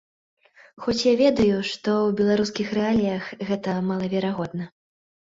Хоць я ведаю, што ў беларускіх рэаліях гэта малаверагодна.